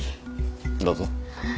どうぞ。